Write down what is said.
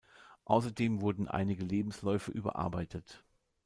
Außerdem wurden einige Lebensläufe überarbeitet.